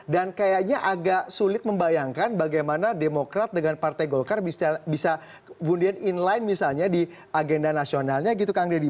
dan kayaknya agak sulit membayangkan bagaimana demokrat dengan partai golkar bisa kemudian inline misalnya di agenda nasionalnya gitu kang deddy